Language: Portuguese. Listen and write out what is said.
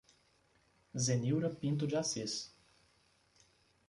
Zenilra Pinto de Assis